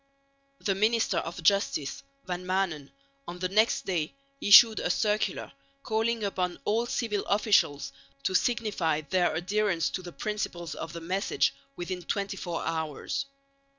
The Minister of Justice, Van Maanen, on the next day issued a circular calling upon all civil officials to signify their adherence to the principles of the message within 24 hours.